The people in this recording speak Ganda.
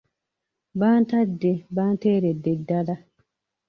Bantadde banteeredde ddala.